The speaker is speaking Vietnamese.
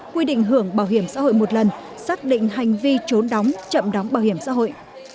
quy định hưởng bảo hiểm xã hội một lần xác định hành vi trốn đóng chậm đóng bảo hiểm xã hội